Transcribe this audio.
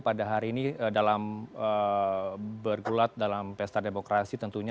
pada hari ini dalam bergulat dalam pesta demokrasi tentunya